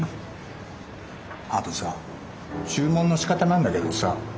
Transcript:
あとさ注文のしかたなんだけどさ